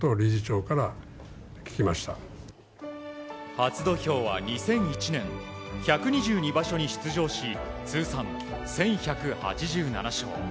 初土俵は２００１年１２２場所に出場し通算１１８７勝。